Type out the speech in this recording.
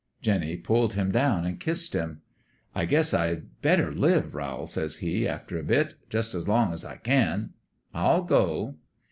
"Jinny pulled him down an' kissed him. "' I guess I better live, Rowl,' says he, after a bit, 'jus' as long as I can. I'll go.